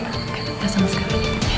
kita sama sekarang